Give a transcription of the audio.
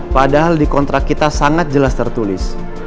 padahal di kontrak kita sangat jelas tertulis